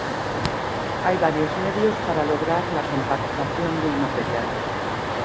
Hay varios medios para lograr la compactación de un material.